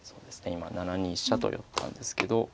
今７二飛車と寄ったんですけど。